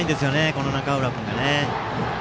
この中浦君が。